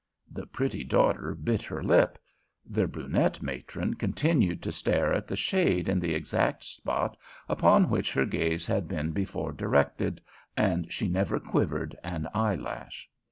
The pretty daughter bit her lip. The brunette matron continued to stare at the shade in the exact spot upon which her gaze had been before directed, and she never quivered an eyelash.